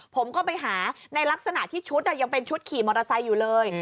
ผมก็ไปหาในลักษณะที่ชุดยังเป็นชุดขี่มอเตอร์ไซค์อยู่เลย